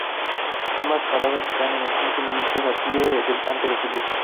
Ambas paradas están a cinco minutos a pie del campo de fútbol.